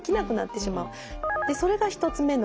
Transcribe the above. それが１つ目の原因。